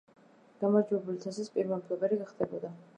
გამარჯვებული თასის პირველი მფლობელი გახდებოდა.